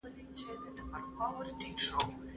په کورني ژوند کې د تفاهم لاره خپله کړئ.